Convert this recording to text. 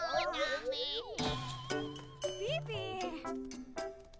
ピピ！